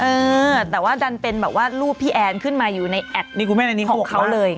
เออแต่ว่าดันเป็นแบบว่ารูปพี่แอนขึ้นมาอยู่ในแอดของเขาเลย